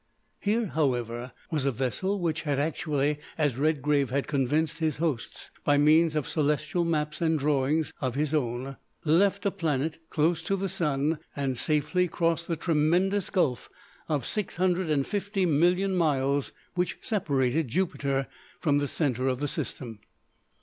Here, however, was a vessel which had actually, as Redgrave had convinced his hosts by means of celestial maps and drawings of his own, left a planet close to the Sun, and safely crossed the tremendous gulf of six hundred and fifty million miles which separated Jupiter from the centre of the system.